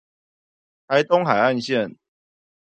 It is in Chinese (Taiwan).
臺東海岸線